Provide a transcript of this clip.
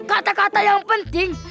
kata kata yang penting